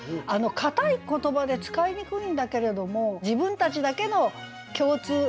硬い言葉で使いにくいんだけれども「自分たちだけの共通言語だ！」